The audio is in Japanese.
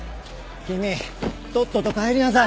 君とっとと帰りなさい。